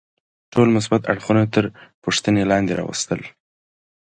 ټول مثبت اړخونه تر پوښتنې لاندې راوستل.